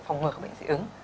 để phòng ngừa các bệnh dị ứng